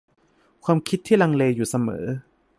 ความคิดที่ลังเลอยู่เสมอ